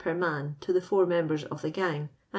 per mun to ilie foiu" members of the gang, and 35.